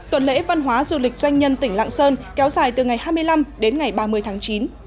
tuần lễ văn hóa du lịch doanh nhân tỉnh lạng sơn kéo dài từ ngày hai mươi năm đến ngày ba mươi tháng chín